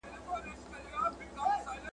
كه دوږخ مو وي مطلب د دې خاكيانو ,